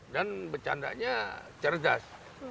dan becandanya cerdas